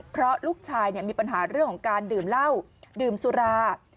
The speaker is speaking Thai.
เพราะลูกชายมีปัญหาเรื่องของการดื่มเหล้าดื่มสุรา